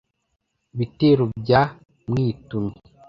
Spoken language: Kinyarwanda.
bitero bya mwitumyi,